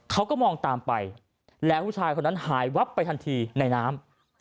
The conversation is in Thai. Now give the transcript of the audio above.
เขาก็มองตามไปแล้วผู้ชายคนนั้นหายวับไปทันทีในน้ำ